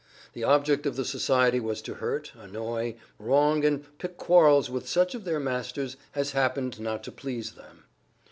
The object of the society was to hurt, annoy, wrong and pick quarrels with such of their masters as happened not to please them.